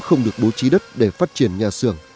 không được bố trí đất để phát triển nhà xưởng